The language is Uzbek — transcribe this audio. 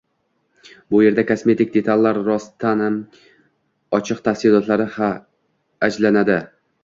Bu erda kosmetik detallar rostanam Ociq tafsilotlari ha ajlanadi